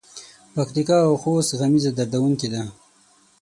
پکتیکا او خوست غمیزه دردوونکې ده.